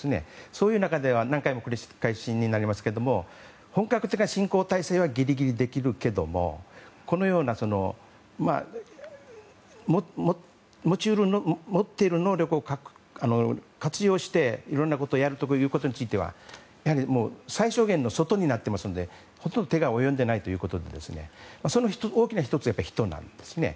そういう中では何回も繰り返しになりますけど本格的にはギリギリできるけども持っている能力を活用していろんなことをやることについては最小限の外になっていますのでほとんど手が及んでいないということでその大きな１つはやっぱり人なんですね。